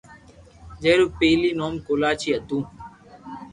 جي رو پيلي نوم ڪولاچي ھتو